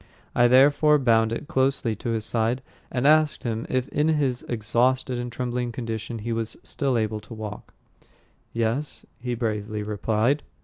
I therefore bound it closely to his side, and asked him if in his exhausted and trembling condition he was still able to walk. "Yes," he bravely replied.